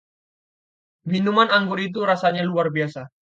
Minuman anggur itu rasanya luar biasa.